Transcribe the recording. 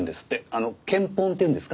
あの献本っていうんですか？